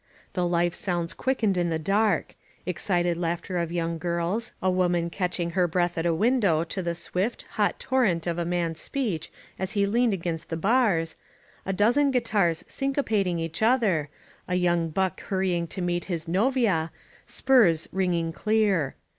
The life sounds quickened in the dark — excited laughter of young girls, a woman catching her breath at a window to the swift, hot torrent of a man's speech as he leaned against the bars, a dozen guitars syncopating each other, a young buck hurrying to meet his novia^ spurs ringing dear.